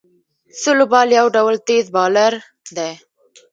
سلو بال یو ډول تېز بالر دئ.